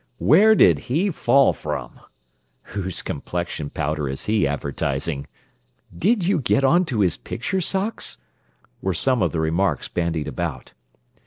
"Where did he fall from?" "Whose complexion powder is he advertising?" "Did you get onto his picture socks?" were some of the remarks bandied about.